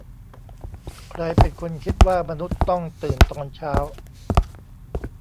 ใครเป็นคนคิดว่ามนุษย์ต้องตื่นตอนเช้า